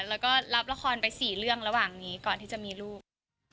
แล้วก็รับละครไป๔เรื่องระหว่างนี้ก่อนที่จะมีลูก